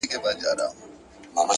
هره لاسته راوړنه هڅه غواړي،